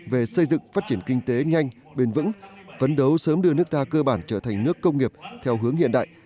về xây dựng phát triển kinh tế nhanh bền vững phấn đấu sớm đưa nước ta cơ bản trở thành nước công nghiệp theo hướng hiện đại